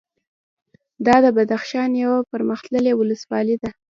دا د بدخشان یوه پرمختللې ولسوالي ده